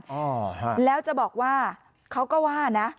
อ่าฮะแล้วจะบอกว่าเขาก็ว่านะ